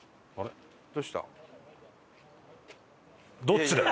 どっちだよ！